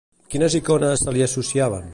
Quines icones se li associaven?